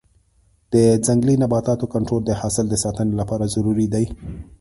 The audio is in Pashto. د ځنګلي نباتاتو کنټرول د حاصل د ساتنې لپاره ضروري دی.